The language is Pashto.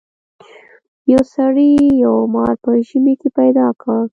یو سړي یو مار په ژمي کې پیدا کړ.